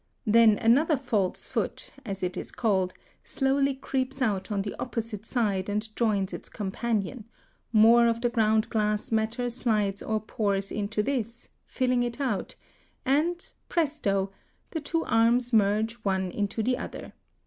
Then another false foot, as it is called, slowly creeps out on the opposite side and joins its companion, more of the ground glass matter slides or pours into this, filling it out, and, presto! the two arms merge one into the other.